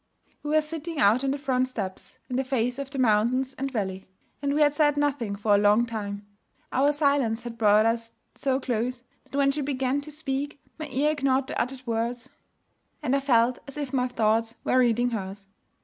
We were sitting out on the front steps, in the face of the mountains and valley; and we had said nothing for a long time. Our silence had brought us so close that when she began to speak, my ear ignored the uttered words and I felt as if my thoughts were reading hers.